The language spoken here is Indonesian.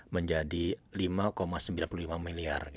menjadi rp lima sembilan puluh lima miliar